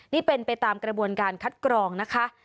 นี่เป็นไปตามกระบวนการคัดกรองนะคะ